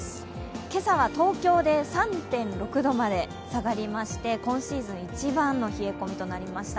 今朝は東京で３．６度まで下がりまして、今シーズン一番の冷え込みとなりました。